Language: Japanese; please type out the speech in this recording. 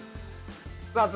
さあ